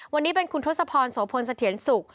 วันนี้เป็นคุณทศพรโสพลสะเทียนสุข